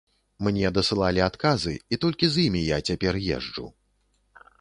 Мне дасылалі адказы, і толькі з імі я цяпер езджу.